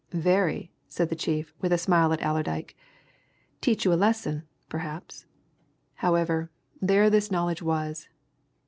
"Very!" said the chief, with a smile at Allerdyke "Teach you a lesson, perhaps. However, there this knowledge was.